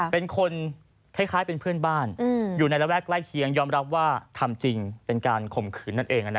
เป็นคนคล้ายเป็นเพื่อนบ้านอยู่ในระแวกใกล้เคียงยอมรับว่าทำจริงเป็นการข่มขืนนั่นเอง